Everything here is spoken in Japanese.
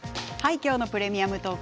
今日の「プレミアムトーク」